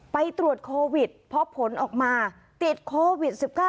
ไปตรวจโควิดเพราะผลออกมาติดโควิด๑๙